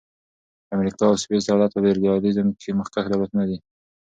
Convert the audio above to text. د امریکا او سویس دولت په فدرالیزم کښي مخکښ دولتونه دي.